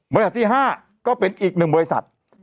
บริษัทที่๕ก็เป็นอีก๑บริษัท